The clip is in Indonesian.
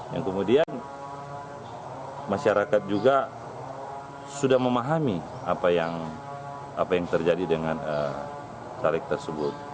yang kemudian masyarakat juga sudah memahami apa yang terjadi dengan tarik tersebut